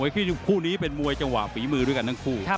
คู่นี้เป็นมวยจังหวะฝีมือด้วยกันทั้งคู่